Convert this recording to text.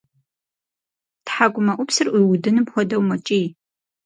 Тхьэкӏумэӏупсыр ӏуиудыным хуэдэу мэкӏий.